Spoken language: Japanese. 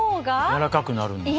やわらかくなるんだ。